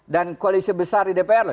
dan koalisi besar di dpr loh